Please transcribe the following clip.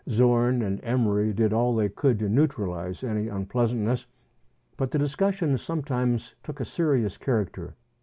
Zorn and Emery did all they could to neutralize any unpleasantness, but the discussions sometimes took a serious character.